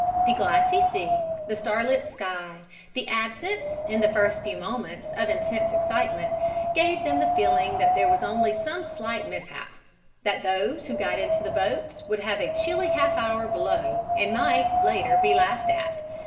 Tho glassy sea, the starlit sky, the absence, in the first few moments, of intense excitement, gave them the feeling that there was only some slight mishap; that those who got into the boats would have a chilly half hour below and might, later, be laughed at.